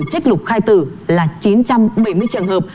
trích lục khai tử là chín trăm bảy mươi trường hợp